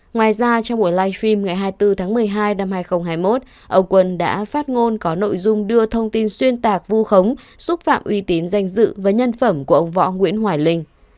ngoài ra trong buổi live stream ngày hai mươi bốn tháng một mươi hai năm hai nghìn hai mươi một ông quân đã phát ngôn có nội dung đưa thông tin xuyên tạc vu khống xúc phạm uy tín danh dự và nhân phẩm của ông võ nguyễn hoài linh